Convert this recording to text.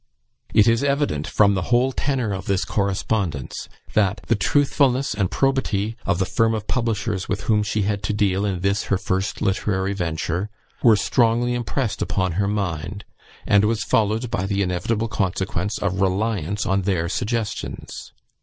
It is evident from the whole tenor of this correspondence, that the truthfulness and probity of the firm of publishers with whom she had to deal in this her first literary venture, were strongly impressed upon her mind, and was followed by the inevitable consequence of reliance on their suggestions.